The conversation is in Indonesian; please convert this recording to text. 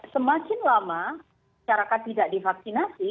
semakin lama syarikat tidak divaksinasi